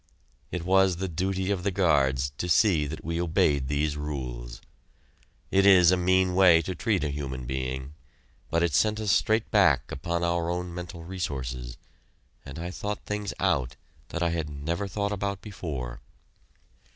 It was the duty of the guards to see that we obeyed these rules. It is a mean way to treat a human being, but it sent us straight back upon our own mental resources, and I thought things out that I had never thought about before.